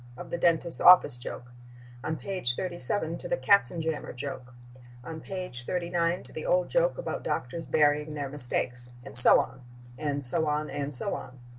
—of the dentist's office joke; on page 37 to the katzenjammer joke; on page 39 to the old joke about doctors burying their mistakes.... And so on. And so on and so on.